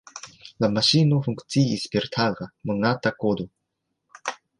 La maŝino funkciis per taga, monata kodo.